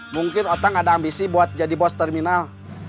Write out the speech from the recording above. mungkin otak ada ambisi buat jadi bos terminal